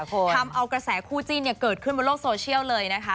ทำเอากระแสคู่จิ้นเนี่ยเกิดขึ้นบนโลกโซเชียลเลยนะคะ